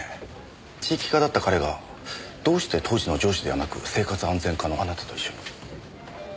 地域課だった彼がどうして当時の上司ではなく生活安全課のあなたと一緒に？